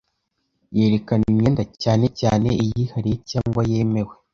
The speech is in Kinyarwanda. yerekana imyenda cyane cyane iyihariye cyangwa yemewe